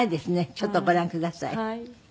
ちょっとご覧ください。